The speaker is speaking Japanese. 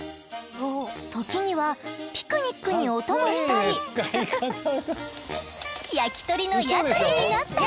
時にはピクニックにお供したり焼き鳥の屋台になったり。